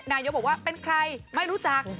นายกบอกว่าเป็นใครไม่รู้จัก